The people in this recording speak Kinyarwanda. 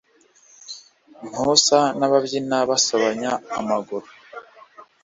Ntusa n’ababyina basobanya amaguru